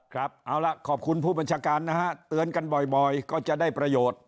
ครับเอาล่ะขอบคุณผู้บัญชาการนะฮะเตือนกันบ่อยก็จะได้ประโยชน์